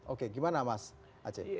oke gimana mas aceh